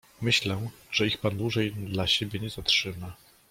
"Myślę, że ich pan dłużej dla siebie nie zatrzyma."